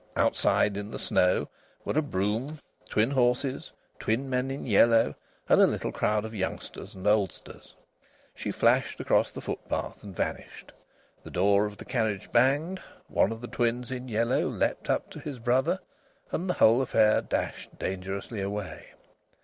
Outside, in the snow, were a brougham, twin horses, twin men in yellow, and a little crowd of youngsters and oldsters. She flashed across the footpath, and vanished; the door of the carriage banged, one of the twins in yellow leaped up to his brother, and the whole affair dashed dangerously away.